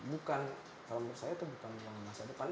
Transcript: bukan kalau menurut saya itu bukan yang masa depan